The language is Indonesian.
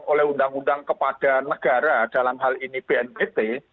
oleh undang undang kepada negara dalam hal ini bnpt